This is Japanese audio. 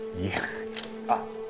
いやあっ！